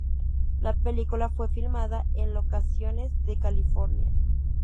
La película fue filmada en locaciones de California.